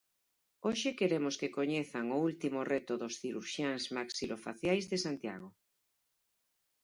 Hoxe queremos que coñezan o último reto dos cirurxiáns maxilofaciais de Santiago.